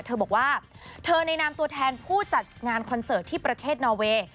เธอบอกว่าเธอในนามตัวแทนผู้จัดงานคอนเสิร์ตที่ประเทศนอเวย์